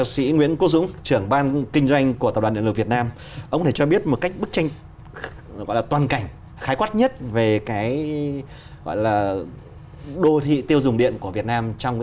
xin kính chào các quý khán giả